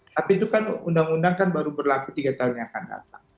tapi itu kan undang undang kan baru berlaku tiga tahun yang akan datang